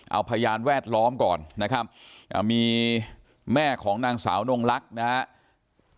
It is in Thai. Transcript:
เอาพยานแวดล้อมก่อนนะครับมีแม่ของนางสาวนงลักษณ์นะครับ